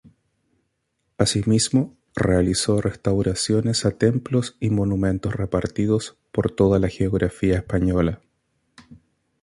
Asimismo realizó restauraciones a templos y monumentos repartidos por toda la geografía española.